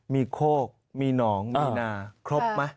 มีโคกมีหนองมีนาครบไหม